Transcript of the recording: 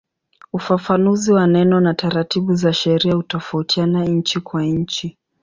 Ufafanuzi wa neno na taratibu za sheria hutofautiana nchi kwa nchi.